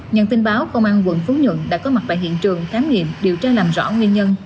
nhận tin báo công an quận phú nhuận đã có mặt tại hiện trường khám nghiệm điều tra làm rõ nguyên nhân